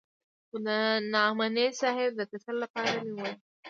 خو د نعماني صاحب د تسل لپاره مې وويل.